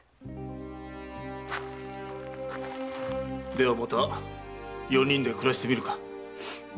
ではまた四人で暮らしてみるか。